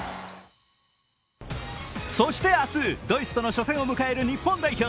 そして明日、ドイツとの初戦を迎える日本代表。